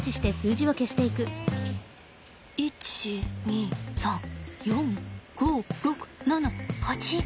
１２３４５６７８。